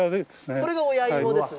これが親芋ですね。